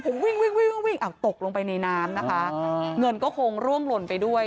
ผมวิ่งอ่าตกลงไปในน้ำนะคะเงินก็คงร่วมหล่นไปด้วย